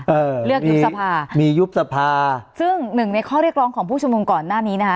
เออเลือกยุบสภามียุบสภาซึ่งหนึ่งในข้อเรียกร้องของผู้ชุมนุมก่อนหน้านี้นะคะ